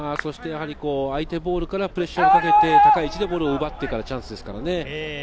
そして相手ボールからプレッシャーをかけて高い位置でボールを奪ってからチャンスですからね。